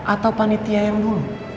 atau panitia yang dulu